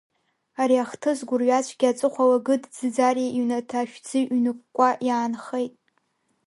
Ари ахҭыс гәырҩацәгьа аҵыхәала Гыд Ӡиӡариа иҩнаҭа ашәӡы ҩныкәкәа иаанхеит.